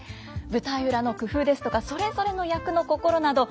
舞台裏の工夫ですとかそれぞれの役の心など